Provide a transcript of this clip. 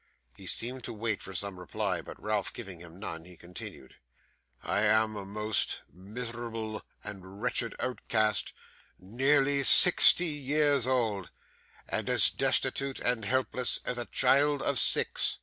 He seemed to wait for some reply, but Ralph giving him none, he continued: 'I am a most miserable and wretched outcast, nearly sixty years old, and as destitute and helpless as a child of six.